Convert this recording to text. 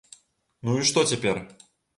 Ну і што цяпер?